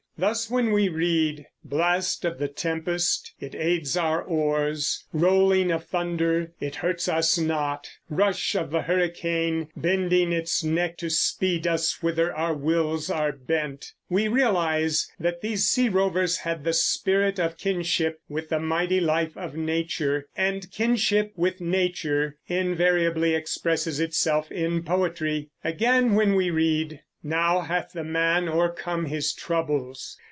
Thus when we read, Blast of the tempest it aids our oars; Rolling of thunder it hurts us not; Rush of the hurricane bending its neck To speed us whither our wills are bent, we realize that these sea rovers had the spirit of kinship with the mighty life of nature; and kinship with nature invariably expresses itself in poetry. Again, when we read, Now hath the man O'ercome his troubles.